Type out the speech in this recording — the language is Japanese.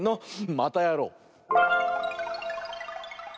またやろう！